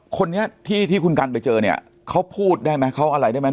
คนนี้ที่ที่คุณกันไปเจอเนี่ยเขาพูดได้ไหมเขาอะไรได้ไหม